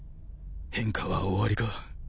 変化は終わりか？